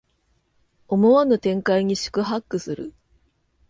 思わぬ展開に四苦八苦する